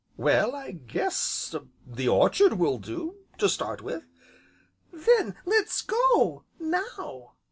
"Well, I guess the orchard will do to start with." "Then let's go now."